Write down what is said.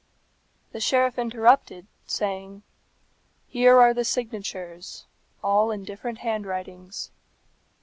The sheriff interrupted, saying, "Here are the signatures. All in different handwritings."